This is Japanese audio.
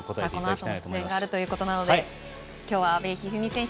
このあとの出演があるということで今日は、阿部一二三選手